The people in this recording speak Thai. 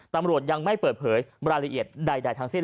ตำรวจยังไม่เปิดเผยรายละเอียดใดทั้งสิ้น